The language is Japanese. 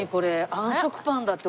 あん食パンだって。